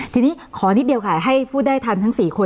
ทีนี้ขอนิดเดียวค่ะให้ผู้ได้ทันทั้ง๔คน